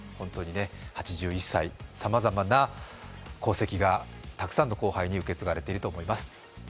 ８１歳、さまざまな功績がたくさんの後輩に受け継がれていると思います。